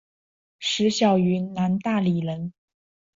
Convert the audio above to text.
石晓云南大理人。